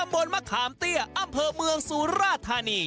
บนมะขามเตี้ยอำเภอเมืองสุราธานี